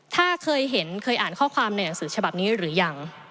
ถ้าเคยเห็นเคยอ่านข้อความในหนังสือฉบับนี้หรือยัง